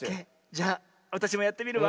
じゃあわたしもやってみるわ。